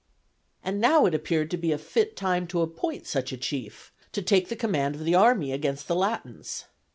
And now it appeared to be a fit time to appoint such a chief, to take the command of the army against the Latins.